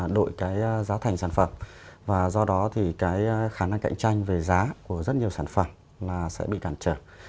đội cái giá thành sản phẩm và do đó thì cái khả năng cạnh tranh về giá của rất nhiều sản phẩm là sẽ bị cản trở